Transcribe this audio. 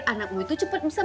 kenapa sing hai raghan conta